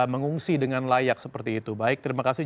mengungsi dengan layak seperti itu baik terima kasih